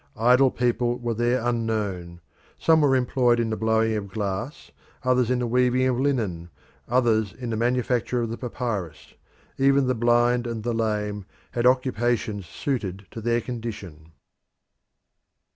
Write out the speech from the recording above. "Idle people were there unknown. Some were employed in the blowing of glass, others in the weaving of linen, others in the manufacture of the Papyrus. Even the blind and the lame had occupations suited to their condition."